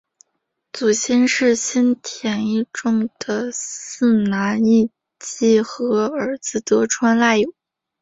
祖先是新田义重的四男义季和儿子得川赖有。